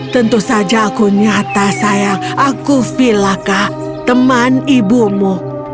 tentu saja aku nyata sayang aku vilaka teman ibumu